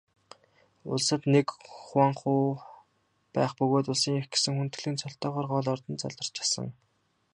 Улсад нэг хуанху байх бөгөөд Улсын эх гэсэн хүндэтгэлийн цолтойгоор гол ордонд заларч асан.